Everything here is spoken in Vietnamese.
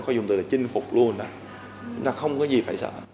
có dùng từ là chinh phục luôn đó chúng ta không có gì phải sợ